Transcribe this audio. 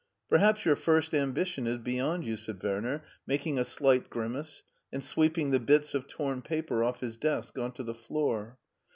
" Perhaps your first ambition is beyond you/* said Werner, making a slight grimace, and sweeping the bits of torn paper off his desk on to the floor.